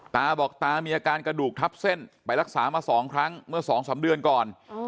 ตาบอกตามีอาการกระดูกทับเส้นไปรักษามา๒ครั้งเมื่อ๒๓เดือนก่อน